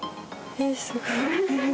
へえすごい。